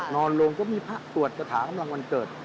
นอนโลงก็มีผักตรวจกระถาข้ำลังวันเกิด